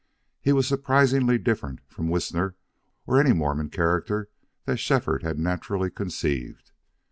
He was surprisingly different from Whisner or any Mormon character that Shefford had naturally conceived.